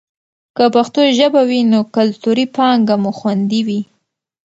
که پښتو ژبه وي نو کلتوري پانګه مو خوندي وي.